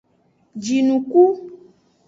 Jinuku.